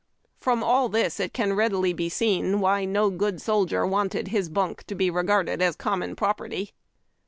From all this it can readily be seen why no good soldier wanted his bunk to be regarded as common property.